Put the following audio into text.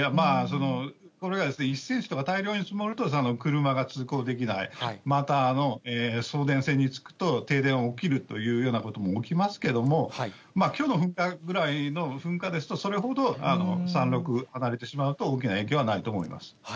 これが１センチとか大量に積もると、車が通行できない、また送電線につくと停電が起きるというようなことも起きますけれども、きょうの噴火ぐらいの噴火ですと、それほど山ろく離れてしまうと、大きな影響はないと思います。